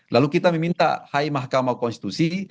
lalu kita meminta hai mahkamah konstitusi